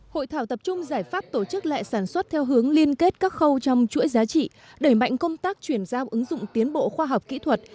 hội thảo tập trung giải pháp tổ chức lệ sản xuất theo hướng liên kết các khâu trong chuỗi giá trị đẩy mạnh công tác chuyển giao ứng dụng tiến bộ khoa học kỹ thuật